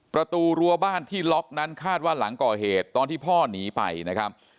ประตูรัวบ้านที่ล็อกนั้นคาดว่าหลังก่อเหตุตอนที่พ่อหนีไปนะครับ